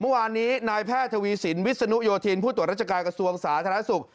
เมื่อวานนี้นายแพทย์ทวีสินวิศนุโยธินผู้ตรวจราชการกระทรวงสาธารณสุข